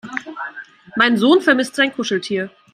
Mein Sohn vermisst sein Kuscheltier.